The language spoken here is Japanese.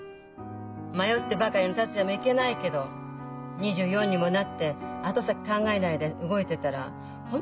迷ってばかりの達也もいけないけど２４にもなって後先考えないで動いてたら本当に痛い目に遭うわよ。